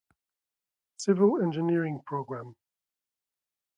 Civil Engineering Programme.